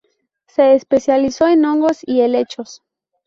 Se especializó en hongos y helechos.